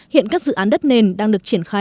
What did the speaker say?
hiện các dự án đất nền đang được triển khai